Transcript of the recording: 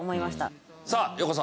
さあ横澤。